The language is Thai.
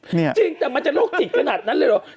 จริงแต่มันจะโลกติดขนาดนั้นเลยเหรอ